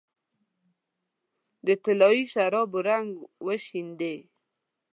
د طلايي شرابو رنګ وشیندې